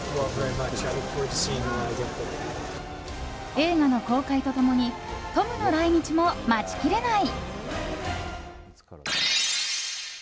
映画の公開と共にトムの来日も待ちきれない！